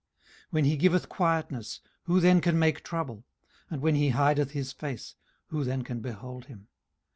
18:034:029 When he giveth quietness, who then can make trouble? and when he hideth his face, who then can behold him?